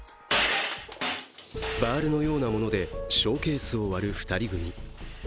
バールのようなものでショーケースを割る２人組。